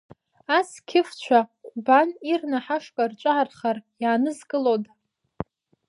Асқьыфцәа Ҟәбан ирны ҳашҟа рҿархар иаанызкылода?